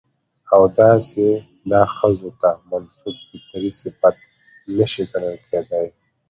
او داسې دا ښځو ته منسوب فطري صفت نه شى ګڼل کېداى.